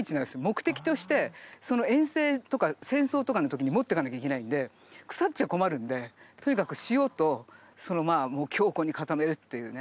目的として遠征とか戦争とかの時に持っていかなきゃいけないんで腐っちゃ困るんでとにかく塩とそのまあ強固に固めるっていうね。